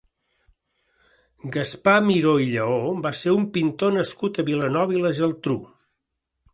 Gaspar Miró i Lleó va ser un pintor nascut a Vilanova i la Geltrú.